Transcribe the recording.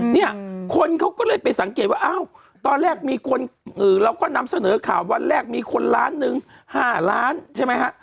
เนี่ยคนเขาก็เลยไปสังเกตว่าอ้าวตอนแรกมีคนเราก็นำเสนอข่าววันแรกมีคนล้านหนึ่ง๕ล้านใช่ไหมฮะ